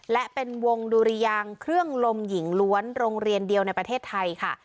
และเป็นวงดุริยางเครื่องลมหญิงล้วนโรงเรียนเดียวในประเทศไทยค่ะ